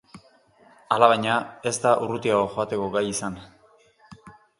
Alabaina, ez da urrutiago joateko gai izan.